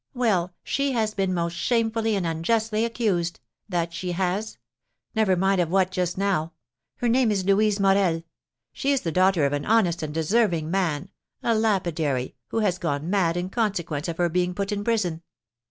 Well, she has been most shamefully and unjustly accused, that she has; never mind of what just now! Her name is Louise Morel. She is the daughter of an honest and deserving man, a lapidary, who has gone mad in consequence of her being put in prison."